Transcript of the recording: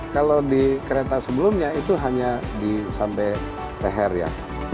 kalau di kereta sebelumnya itu hanya sampai leher ya